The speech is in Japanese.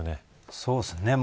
そうですね。